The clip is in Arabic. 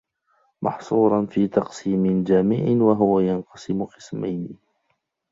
مَحْصُورًا فِي تَقْسِيمٍ جَامِعٍ وَهُوَ يَنْقَسِمُ قِسْمَيْنِ